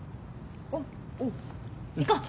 あっおう行こう！